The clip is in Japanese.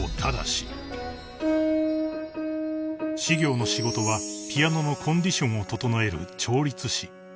［執行の仕事はピアノのコンディションを調える］